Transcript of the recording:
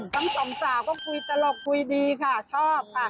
ทั้งสองสาวก็คุยตลกคุยดีค่ะชอบค่ะ